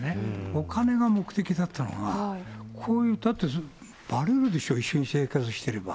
お金が目的だったのか、こういう、だって、ばれるでしょう、一緒に生活してれば。